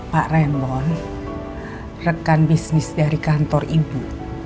pak remon rekan bisnis dari kantor ibu